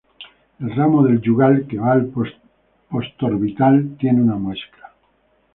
El ramo del yugal que va al postorbital tiene una muesca.